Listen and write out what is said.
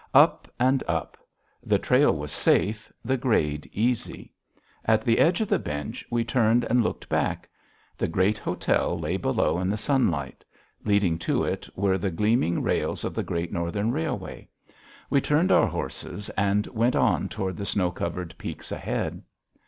Up and up. The trail was safe, the grade easy. At the edge of the bench we turned and looked back. The great hotel lay below in the sunlight. Leading to it were the gleaming rails of the Great Northern Railway. We turned our horses and went on toward the snow covered peaks ahead.